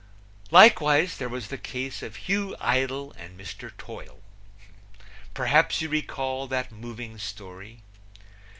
Likewise, there was the case of Hugh Idle and Mr. Toil. Perhaps you recall that moving story?